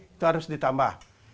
itu harus ditambah